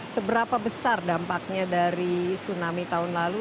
seberapa besar dampaknya dari tsunami tahun lalu